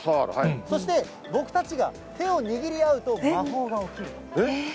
そして、僕たちが手を握り合うと魔法が起きる。